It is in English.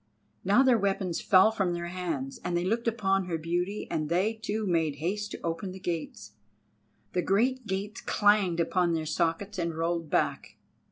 Now their weapons fell from their hands, and they looked upon her beauty, and they too made haste to open the gates. The great gates clanged upon their sockets and rolled back.